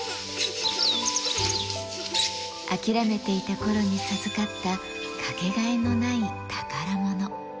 諦めていたころに授かったかけがえのない宝物。